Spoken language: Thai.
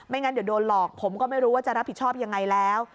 งั้นเดี๋ยวโดนหลอกผมก็ไม่รู้ว่าจะรับผิดชอบยังไงแล้ว